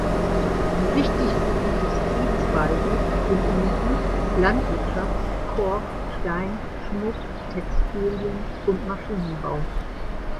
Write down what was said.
Die wichtigsten Industriezweige sind Energie, Landwirtschaft, Kork, Stein, Schmuck, Textilien und Maschinenbau.